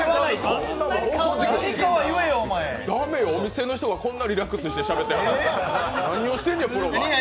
駄目よ、お店の人がこんなリラックスしてしゃべってるのに、何をプロが。